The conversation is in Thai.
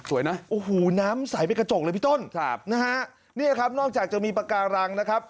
นะโอ้โหน้ำใสไปกระจกเลยพี่ต้นครับนะฮะเนี่ยครับนอกจากจะมีปากการังนะครับ